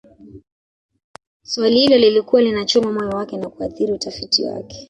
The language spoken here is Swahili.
Swali hilo lilikuwa linachoma moyo wake na kuathiri utafiti wake